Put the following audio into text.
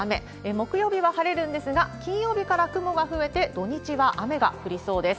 木曜日は晴れるんですが、金曜日から雲が増えて、土日は雨が降りそうです。